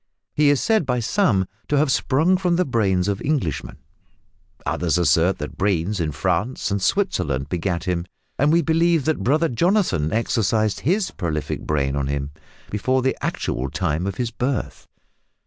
He is said by some to have sprung from the brains of Englishmen, others assert that brains in France and Switzerland begat him, and we believe that brother Jonathan exercised his prolific brain on him, before the actual time of his birth.